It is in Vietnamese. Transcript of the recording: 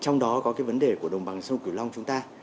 trong đó có cái vấn đề của đồng bằng sông cửu long chúng ta